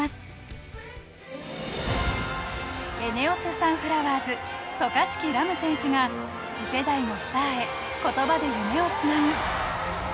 サンフラワーズ渡嘉敷来夢選手が次世代のスターへ言葉で夢をつなぐ。